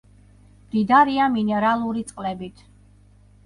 მდიდარია მინერალური წყლებით.